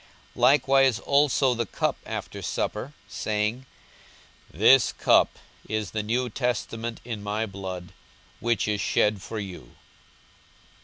42:022:020 Likewise also the cup after supper, saying, This cup is the new testament in my blood, which is shed for you.